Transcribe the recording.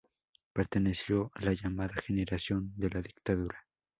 Perteneció a la llamada Generación de la Dictadura.